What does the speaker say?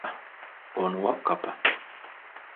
Ono Wakkapa.